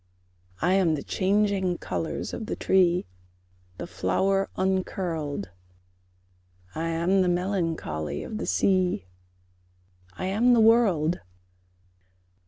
I am the changing colours of the tree; The flower uncurled: I am the melancholy of the sea; I am the world.